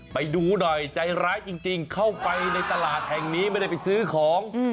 ไปดูหน่อยใจร้ายจริงเข้าไปในตลาดแห่งนี้ไม่ได้ไปซื้อของ